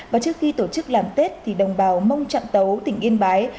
và trước khi tổ chức làm tết thì đồng bào mong chặn tấu tỉnh yên bái